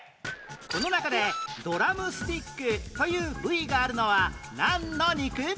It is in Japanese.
この中でドラムスティックという部位があるのはなんの肉？